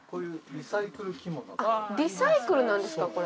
リサイクルなんですかこれ。